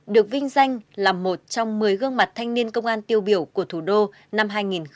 được vinh danh là một trong một mươi gương mặt thanh niên công an tiêu biểu của thủ đô năm hai nghìn một mươi tám